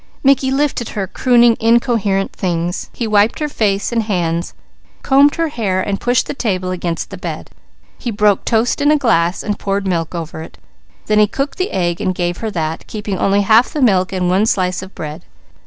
Mickey lifted her, crooning incoherent things. He wiped her face and hands, combed her hair, and pushed the table against the bed. He broke toast in a glass and poured milk over it. Then he cooked the egg and gave her that, keeping only half the milk and one slice of bread.